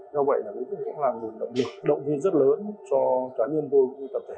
do vậy là cũng cũng là một động viên rất lớn cho cá nhân tôi